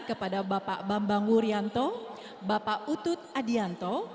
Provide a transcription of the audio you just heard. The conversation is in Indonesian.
kepada bapak bambang wuryanto bapak utut adianto